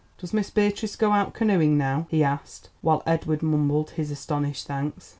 "Does Miss Beatrice go out canoeing now?" he asked while Edward mumbled his astonished thanks.